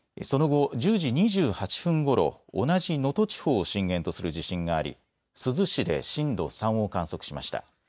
その後、１０時２８分ごろ、同じ能登地方を震源とする地震があり珠洲市で震度３を観測しました。